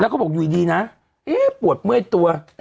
แล้วก็บอกอยู่ดีนะเอ๊ะปวดเมื่อยตัว